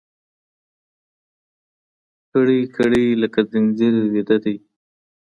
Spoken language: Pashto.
كړۍ، كـړۍ لكه ځنځير ويـده دی